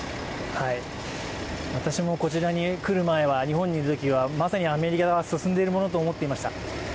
私もこちらに来る前、日本にいるときはまさに、アメリカは進んでいるものと思っていました。